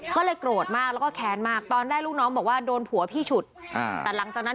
ก็เลยโกรธมากแล้วก็แค้นมากตอนแรกลูกน้องบอกว่าโดนผัวพี่ฉุดแต่หลังจากนั้น